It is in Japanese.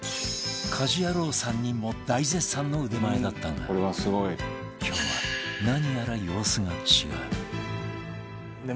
家事ヤロウ３人も大絶賛の腕前だったが今日は何やら様子が違う